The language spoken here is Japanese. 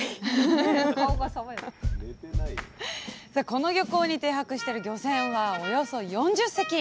この漁港に停泊してる漁船はおよそ４０隻。